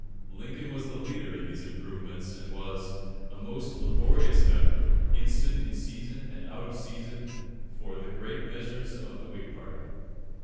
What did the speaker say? Lincoln was the leader in these improvements, and "was a most laborious member, instant in season and out of season for the great measures of the Whig party."